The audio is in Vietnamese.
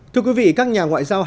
thưa quý vị các nhà ngoại giao hàng